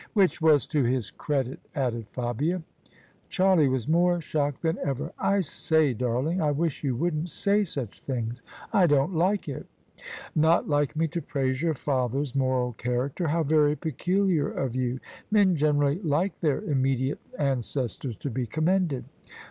" Which was to his credit," added Fabia. Charlie was more shocked than ever. " I say, darling, I wish you wouldn't say such things. I don't like it." "Not like me to praise your father's moral character? How very peculiar of you! Men generally like their imme diate ancestors to be commended."